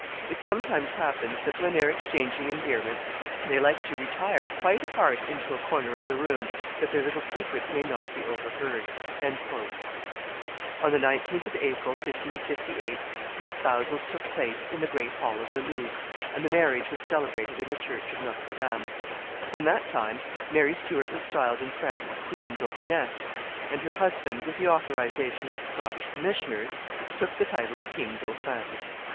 It sometimes happens that, when they are exchanging endearments, they like to retire quite apart into a corner of the rooms, that their little secrets may not be overheard." On the 19th of April, 1558, the espousals took place in the great hall of the Louvre, and the marriage was celebrated in the church of Notre Dame. [Illustration: Francis II. and Mary Stuart love making 251] From that time Mary Stuart was styled in France queen dauphiness, and her husband, with the authorization of the Scottish commissioners, took the title of king dauphin.